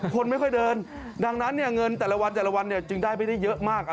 คนไม่ค่อยเดินดังนั้นเงินแต่ละวันจึงได้ไม่ได้เยอะมาก